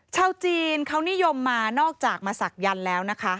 ชาวจีนเขานิยมมานอกจากมาศักยันต์แล้วนะคะ